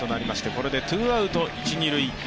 これでツーアウト一・二塁。